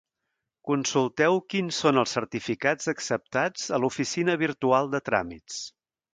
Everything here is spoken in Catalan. Consulteu quins són els certificats acceptats a l'Oficina Virtual de Tràmits.